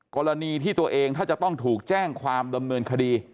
กรณีที่ตัวเองถ้าจะต้องถูกแจ้งความดำเนินคดี